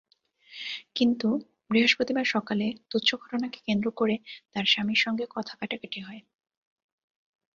কিন্তু বৃহস্পতিবার সকালে তুচ্ছ ঘটনাকে কেন্দ্র করে তাঁর স্বামীর সঙ্গে কথা-কাটাকাটি হয়।